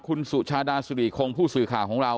คุณสุชาดาสุริคงผู้สื่อข่าวของเรา